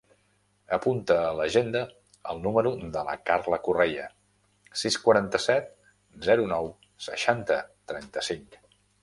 Apunta a l'agenda el número de la Carla Correia: sis, quaranta-set, zero, nou, seixanta, trenta-cinc.